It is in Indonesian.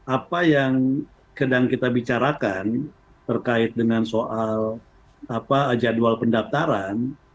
apa yang sedang kita bicarakan terkait dengan soal jadwal pendaftaran